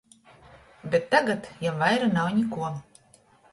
Bet tagad jam vaira nav nikuo.